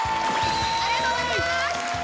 ありがとうございます！